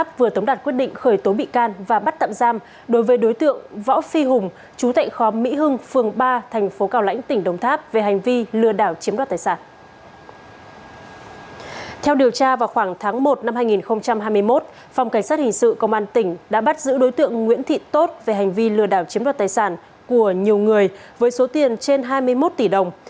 phòng cảnh sát hình sự công an tỉnh đã bắt giữ đối tượng nguyễn thị tốt về hành vi lừa đảo chiếm đoạt tài sản của nhiều người với số tiền trên hai mươi một tỷ đồng